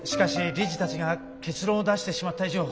理事たちが結論を出してしまった以上